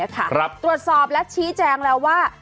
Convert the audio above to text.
ตรวจสอบและชี้แจงแล้วว่า